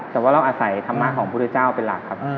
แต่ว่าเราอาศัยธรรมะของพุทธเจ้าเป็นหลักครับ